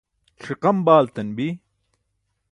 ṣiqam baaltan bi